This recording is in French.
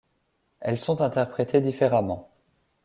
Elles sont interprétées différemment.